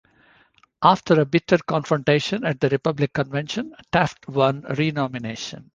After a bitter confrontation at the Republican Convention, Taft won renomination.